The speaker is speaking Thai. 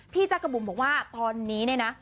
จักรบุ๋มบอกว่าตอนนี้เนี่ยนะ